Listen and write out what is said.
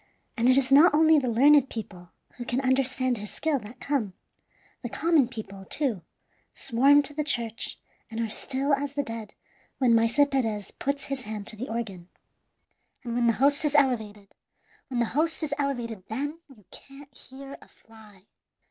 And it is not only the learned people who can understand his skill that come; the common people, too, swarm to the church, and are still as the dead when Maese Perez puts his hand to the organ. And when the host is elevated when the host is elevated, then you can't hear a fly.